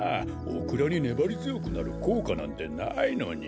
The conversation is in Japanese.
オクラにねばりづよくなるこうかなんてないのに。